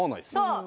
そう。